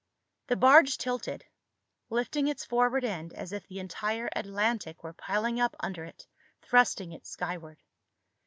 The barge tilted, lifting its forward end as if the entire Atlantic were piling up under it, thrusting it skyward.